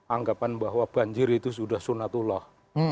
anggapan bahwa banjir itu sudah sunatullah